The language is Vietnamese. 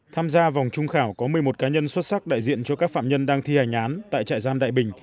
tham gia vòng trung khảo có một mươi một cá nhân xuất sắc đại diện cho các phạm nhân đang thi hành án tại trại giam đại bình